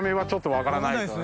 分からないですね。